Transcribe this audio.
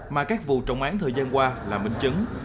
mà các vụ trọng án thời gian qua là minh chứng